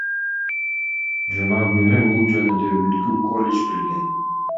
Жума күнү бул жөнүндө бүткүл коллеж билген.